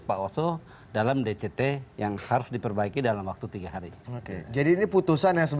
pak oso dalam dct yang harus diperbaiki dalam waktu tiga hari oke jadi ini putusan yang